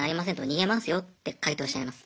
逃げますよって回答しちゃいます。